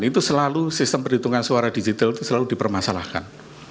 itu selalu sistem perhitungan suara digital itu selalu dipermasalahkan